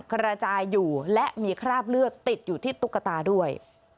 กระจายอยู่และมีคราบเลือดติดอยู่ที่ตุ๊กตาด้วย